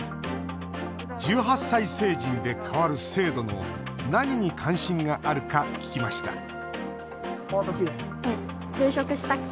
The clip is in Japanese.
１８歳成人で変わる制度の何に関心があるか聞きました